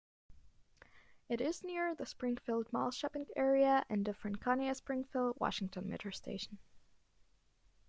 It is near the Springfield Mall shopping area and the Franconia-Springfield Washington Metro station.